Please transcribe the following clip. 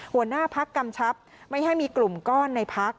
หัวหน้าพักกำชับไม่ให้มีกลุ่มก้อนในพัก